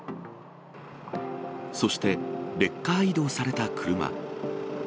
そして、レッカー移動された車。